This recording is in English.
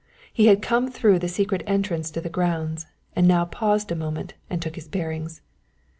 He had come through the secret entrance to the grounds, and now paused a moment and took his bearings.